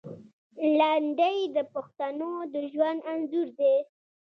لنډۍ د پښتنو د ژوند انځور دی.